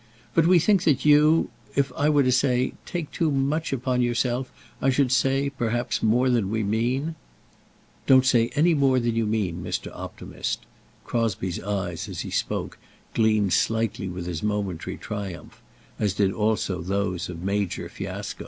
But we think that you, if I were to say take too much upon yourself, I should say, perhaps, more than we mean." "Don't say more than you mean, Mr. Optimist." Crosbie's eyes, as he spoke, gleamed slightly with his momentary triumph; as did also those of Major Fiasco.